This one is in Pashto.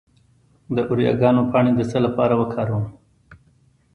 د اوریګانو پاڼې د څه لپاره وکاروم؟